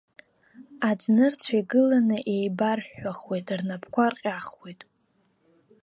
Аӡнырцә игыланы иеибарҳәҳәахуеит, рнапқәа рҟьахуеит.